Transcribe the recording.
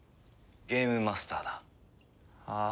ゲームマスターだ。